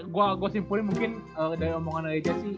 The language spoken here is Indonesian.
gue simpulin mungkin dari omongan aja sih